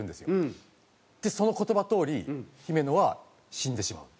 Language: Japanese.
その言葉どおり姫野は死んでしまう。